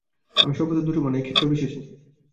আমি সর্বদা দুটো বানাই, ক্ষেত্রবিশেষে।